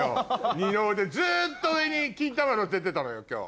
二の腕ずっと上に金玉のせてたのよ今日。